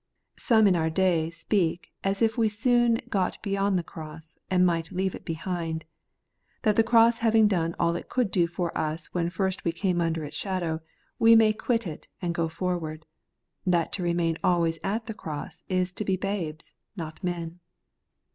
Some in our day speak as H 114 The Everlasting Righteousness, if we soon got beyond the cross, and might leave it behind ; that the cross having done all it could do for us when first we came under its shadow, we may quit it and go forward ; that to remain always at the cross is to be babes, not men.